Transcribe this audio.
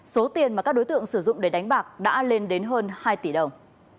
số tiền mà các đối tượng sử dụng để đánh bạc đã lên đến hơn hai tỷ đồng